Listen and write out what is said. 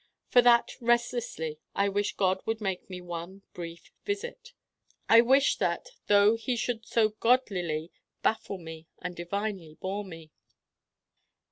For that restlessly I wish God would make me one brief visit. I wish that though he should so godlily baffle me and divinely bore me.